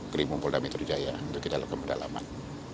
krimum polda metro jaya untuk kita lakukan pendalaman